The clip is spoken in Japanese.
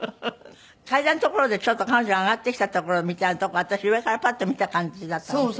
階段の所でちょっと彼女が上がってきたところみたいなとこ私上からパッと見た感じだったみたいな。